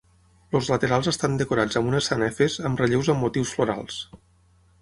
Els laterals estan decorats amb unes sanefes amb relleus amb motius florals.